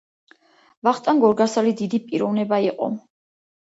ვახტანგ გორგასალი დიდი პიროვნება იყო